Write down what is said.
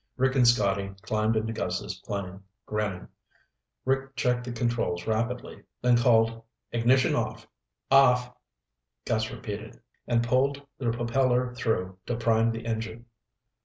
Rick and Scotty climbed into Gus's plane, grinning. Rick checked the controls rapidly, then called, "Ignition off." "Off," Gus repeated, and pulled the propeller through to prime the engine.